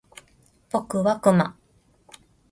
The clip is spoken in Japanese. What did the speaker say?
僕はクマ